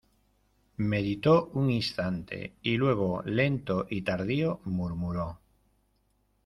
meditó un instante, y luego , lento y tardío , murmuró: